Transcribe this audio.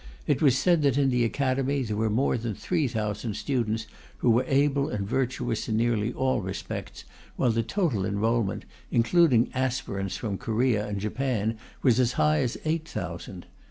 It was said that in the Academy there were more than three thousand students who were able and virtuous in nearly all respects, while the total enrolment, including aspirants from Korea and Japan, was as high as eight thousand.